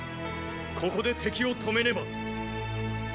ここで敵を止めねば。